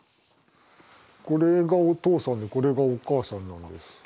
これがお父さんでこれがお母さんなんです。